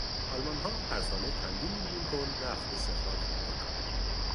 آلمانها هر ساله چندین میلیون تن نفت استخراج میکنند.